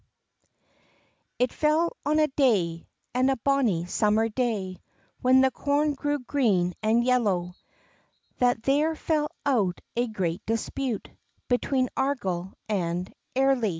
IT fell on a day, and a bonnie summer day, When the corn grew green and yellow, That there fell out a great dispute Between Argyle and Airly.